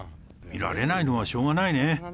見られないのはしょうがないね。